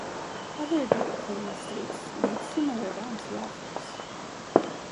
Other Great Plains states made similar bounty offers.